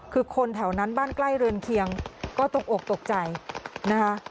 คือคนแถวนั้นบ้านใกล้เรือนเคียงก็ตกอกตกใจนะคะ